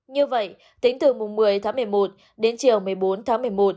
như vậy tính từ mùng một mươi tháng một mươi một đến chiều một mươi bốn tháng một mươi một